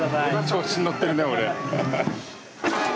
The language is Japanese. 調子に乗ってるね俺。